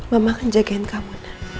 mama akan jagain kamu